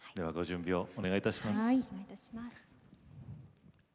はい。